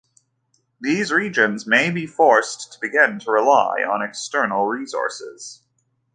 These regions may be forced to begin to rely on external resources.